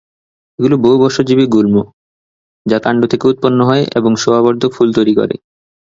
এগুলি বহুবর্ষজীবী গুল্ম, যা কান্ড থেকে উৎপন্ন হয় এবং শোভাবর্ধক ফুল তৈরি করে।